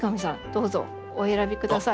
どうぞお選びください。